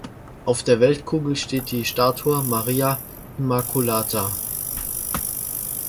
Auf der Weltkugel steht die Statue Maria Immaculata.